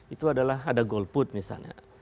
itu adalah ada golput misalnya